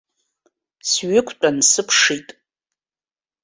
Сҩықәтәан сыԥшит.